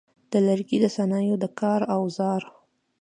د لرګي د صنایعو د کار اوزار: